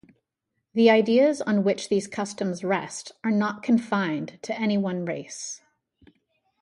The ideas on which these customs rest are not confined to any one race.